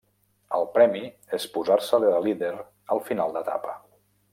El premi és posar-se de líder al final d'etapa.